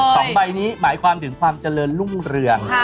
สองใบนี้หมายความถึงความเจริญรุ่งเรือง